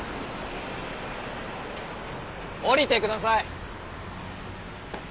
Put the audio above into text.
降りてください！